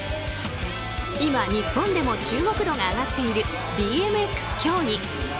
今、日本でも注目度が上がっているＢＭＸ競技。